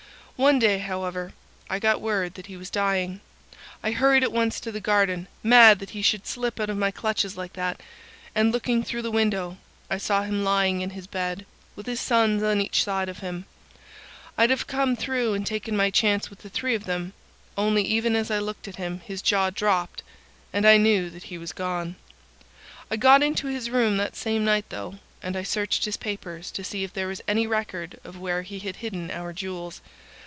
"One day, however, I got word that he was dying. I hurried at once to the garden, mad that he should slip out of my clutches like that, and, looking through the window, I saw him lying in his bed, with his sons on each side of him. I'd have come through and taken my chance with the three of them, only even as I looked at him his jaw dropped, and I knew that he was gone. I got into his room that same night, though, and I searched his papers to see if there was any record of where he had hidden our jewels.